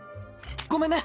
ごめんね。